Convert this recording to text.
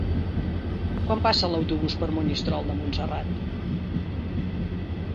Quan passa l'autobús per Monistrol de Montserrat?